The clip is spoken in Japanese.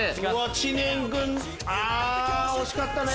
知念君惜しかったね！